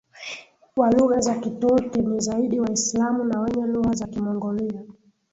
wa lugha za Kiturki ni zaidi Waislamu na wenye lugha za Kimongolia